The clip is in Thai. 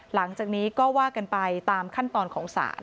หลังจากนี้ก็ว่ากันไปตามขั้นตอนของศาล